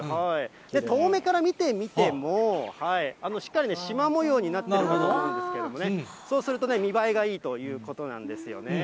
遠目から見てみても、しっかりね、しま模様になっていると思うんですけどね、そうするとね、見栄えがいいということなんですよね。